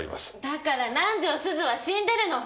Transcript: だから南条すずは死んでるの！